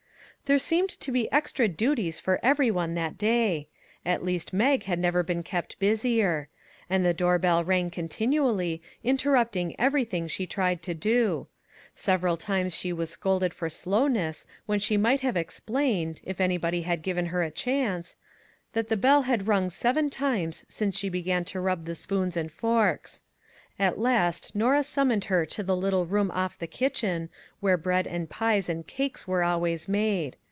There seemed to be extra duties for every one that day ; at least, Mag had never been kept busier; and the door bell rang continually, in terrupting everything she tried to do. Several times she was scolded for slowness when she might have explained, if anybody had given her a chance, that the bell had rung seven times since she began to rub the spoons and forks. At last Norah summoned her to the little room off the kitchen, where bread and pies and cakes were always made.